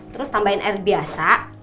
terus tambahin air biasa